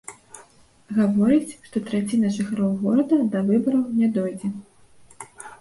Гаворыць, што траціна жыхароў горада да выбараў не дойдзе.